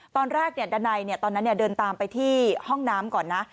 ตอนแรกดันัยตอนนั้นเดินตามไปที่ห้องน้ำก่อนนะ